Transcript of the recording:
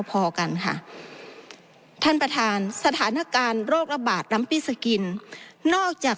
มันค่ะท่านประธานสถานการณ์โรครบาดล้ำปี่ชะกินนอกจาก